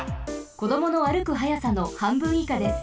こどもの歩く速さのはんぶんいかです。